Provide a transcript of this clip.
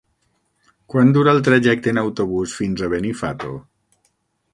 Quant dura el trajecte en autobús fins a Benifato?